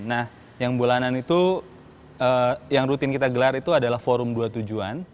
nah yang bulanan itu yang rutin kita gelar itu adalah forum dua tujuan